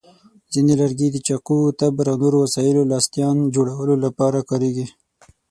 ځینې لرګي د چاقو، تبر، او نورو وسایلو لاستیان جوړولو لپاره کارېږي.